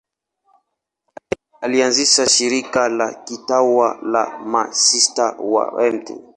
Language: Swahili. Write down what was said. Alianzisha shirika la kitawa la Masista wa Mt.